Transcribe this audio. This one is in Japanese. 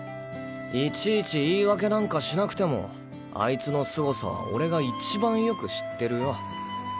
いちいち言い訳なんかしなくてもあいつのすごさは俺が一番よく知ってるよ。